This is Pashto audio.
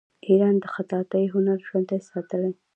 ایران د خطاطۍ هنر ژوندی ساتلی.